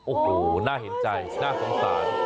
โอ้โหน่าเห็นใจน่าสงสาร